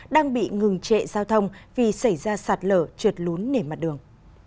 đang bị ngừng trệ giao thông vì xảy ra sạt lở trượt lún nề mặt đường